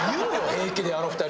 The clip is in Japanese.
平気であの２人。